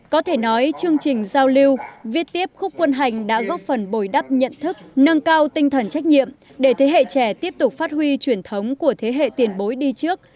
có thể nói chương trình giao lưu viết tiếp khúc quân hành đã góp phần bồi đắp nhận thức nâng cao tinh thần trách nhiệm để thế hệ trẻ tiếp tục phát huy truyền thống của thế hệ tiền bối đi trước